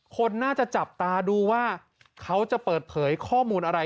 คนน่าจะจับตาดูว่าเขาจะเปิดเผยข้อมูลอะไร